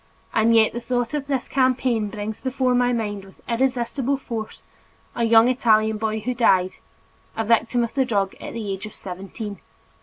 And yet the thought of this campaign brings before my mind with irresistible force, a young Italian boy who died, a victim of the drug at the age of seventeen.